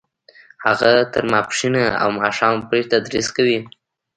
هغه تر ماسپښینه او ماښامه پورې تدریس کوي